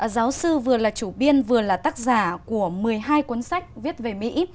giáo sư vừa là chủ biên vừa là tác giả của một mươi hai cuốn sách viết về mỹ